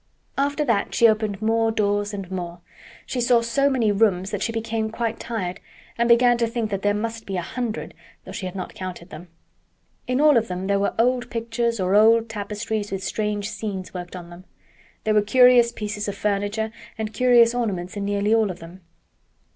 After that she opened more doors and more. She saw so many rooms that she became quite tired and began to think that there must be a hundred, though she had not counted them. In all of them there were old pictures or old tapestries with strange scenes worked on them. There were curious pieces of furniture and curious ornaments in nearly all of them.